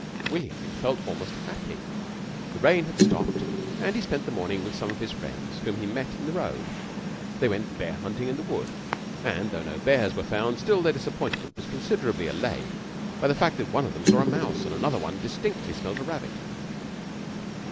William felt almost happy. The rain had stopped and he spent the morning with some of his friends whom he met in the road. They went bear hunting in the wood; and though no bears were found, still their disappointment was considerably allayed by the fact that one of them saw a mouse and another one distinctly smelt a rabbit.